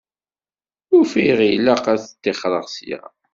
Ufiɣ ilaq ad ṭṭixreɣ ssya.